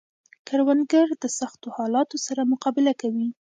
کروندګر د سختو حالاتو سره مقابله کوي